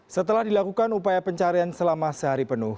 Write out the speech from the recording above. setelah dilakukan upaya pencarian selama sehari penuh